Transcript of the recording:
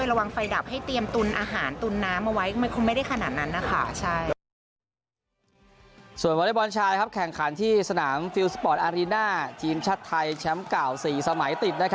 เออระวังไฟดับให้เตรียมตุ๋นอาหารตุ๋นน้ำมาไว้